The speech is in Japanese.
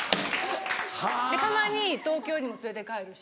たまに東京にも連れて帰るし。